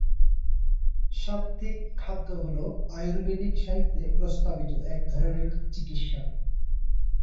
সাত্ত্বিক খাদ্য হল আয়ুর্বেদিক সাহিত্যে প্রস্তাবিত এক ধরনের চিকিৎসা।